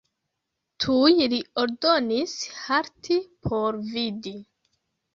Tuj li ordonis halti por vidi.